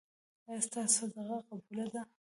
ایا ستاسو صدقه قبوله ده؟